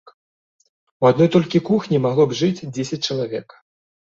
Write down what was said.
У адной толькі кухні магло б жыць дзесяць чалавек.